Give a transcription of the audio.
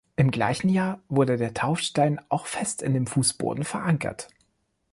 Im gleichen Jahr wurde der Taufstein auch fest in dem Fußboden verankert.